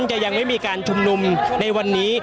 จะยังไม่มีการชุมนุมในวันนี้